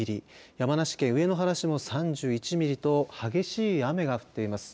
山梨県上野原市も３１ミリと激しい雨が降っています。